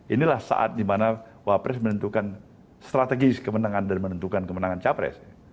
inilah saat dimana wapres menentukan strategi kemenangan dan menentukan kemenangan capres